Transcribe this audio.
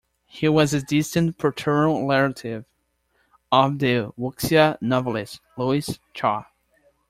He was a distant paternal relative of the wuxia novelist Louis Cha.